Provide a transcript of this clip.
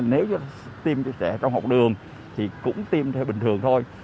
nếu tiêm cho trẻ trong học đường thì cũng tiêm theo bình thường thôi